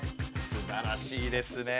すばらしいですね。